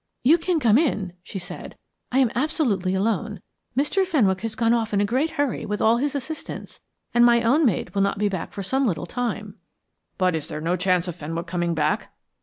"You can come in," she said. "I am absolutely alone. Mr. Fenwick has gone off in a great hurry with all his assistants, and my own maid will not be back for some little time." "But is there no chance of Fenwick coming back?"